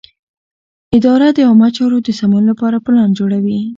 اداره د عامه چارو د سمون لپاره پلان جوړوي.